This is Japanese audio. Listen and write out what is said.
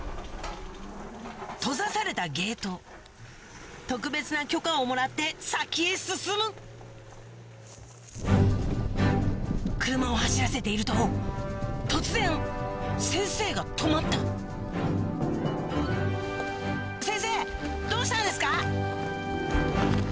閉ざされたゲート特別な許可をもらって先へ進む車を走らせていると突然先生が止まった先生どうしたんですか？